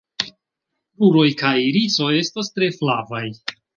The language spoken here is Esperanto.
Kruroj kaj irisoj estas tre flavaj.